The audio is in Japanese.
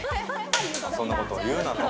そんなことは言うなと。